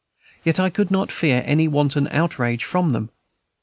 Yet I should not fear any wanton outrage from them.